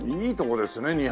いいとこですね